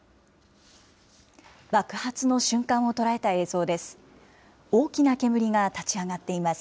爆発の瞬間を捉えた映像です。